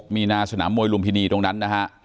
มีนาสนามมวยลุมพินีตรงนั้นนะฮะ